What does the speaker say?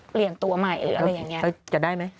เปลี่ยนตัวใหม่อะไรอย่างนี้